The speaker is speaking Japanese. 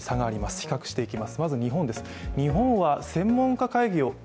比較していきます。